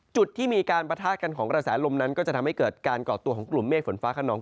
จุดที่มีการปะทะกันของกระแสลมนั้นก็จะทำให้เกิดการก่อตัวของกลุ่มเมฆฝนฟ้าขนอง